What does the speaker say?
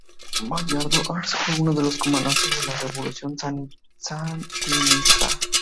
Bayardo Arce fue uno de los Comandantes de la Revolución Sandinista.